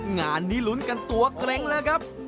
งานนี้ลุ้นกันตัวเกร็งแล้วครับ